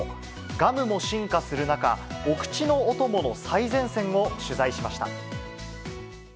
ガムも進化する中、お口のお供の最前線を取材しました。